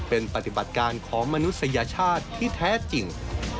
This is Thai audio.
เป็นปฏิบัติการของมนุษยชาติที่แท้จริง